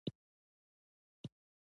د ګلانو د حساسیت لپاره عینکې وکاروئ